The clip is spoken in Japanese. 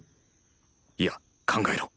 いや考えろ。